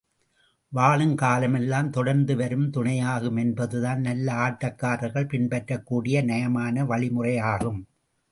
வாழும் காலம் எல்லாம் தொடர்ந்து வரும் துணையாகும் என்பதுதான் நல்ல ஆட்டக்காரர்கள் பின்பற்றக்கூடிய நயமான வழிமுறையாகும்.